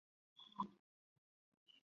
该系统第二天正式在任天堂的上发布。